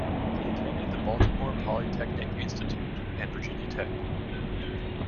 He attended the Baltimore Polytechnic Institute and Virginia Tech.